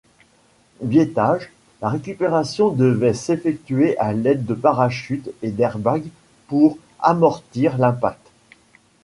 Biétage, la récupération devait s'effectuer à l'aide de parachutes et d'airbag pour amortir l'impact.